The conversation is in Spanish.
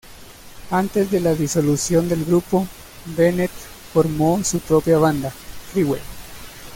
Antes de la disolución del grupo, Bennett formó su propia banda, Freeway.